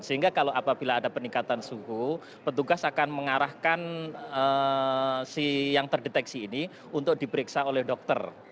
sehingga kalau apabila ada peningkatan suhu petugas akan mengarahkan si yang terdeteksi ini untuk diperiksa oleh dokter